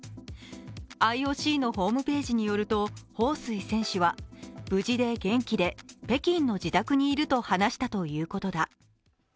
ＩＯＣのホームページによると彭帥選手は無事で元気で北京の自宅にいると話したということだ。